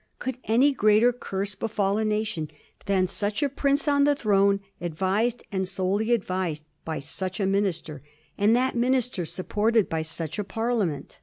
Could any greater curse befall a nation than such a prince on the throne, advised, and solely advised, by such a minister, and that minister supported by such a Parliament?